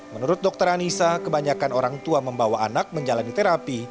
menurut dokter anissa kebanyakan orang tua membawa anak menjalani terapi